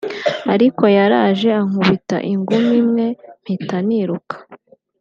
ariko yaraje ankubita ingumi imwe mpita niruka